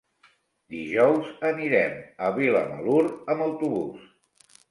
Dijous anirem a Vilamalur amb autobús.